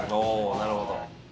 なるほど。